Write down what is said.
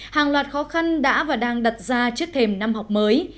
hàng loạt khó khăn đã và đang đặt ra trước thềm năm học mới